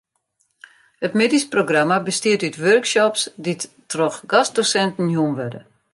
It middeisprogramma bestiet út workshops dy't troch gastdosinten jûn wurde.